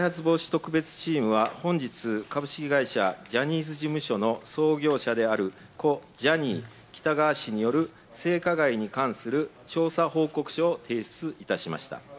特別チームは、本日、株式会社ジャニーズ事務所の創業者である故・ジャニー喜多川氏による性加害に関する調査報告書を提出いたしました。